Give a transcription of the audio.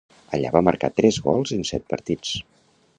Allà va marcar tres gols en set partits.